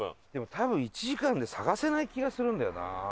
でも多分１時間で探せない気がするんだよな。